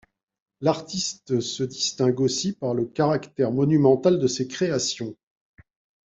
L’artiste se distingue aussi par le caractère monumental de ses créations.